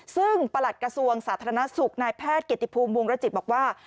ซึ่งประหลัดกระทรวงสาธารณสุขนายแพทย์เกติภูมิวงรจิตบอกว่า